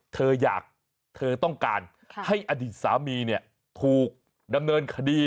เธออยากเธอต้องการให้อดีตสามีเนี่ยถูกดำเนินคดี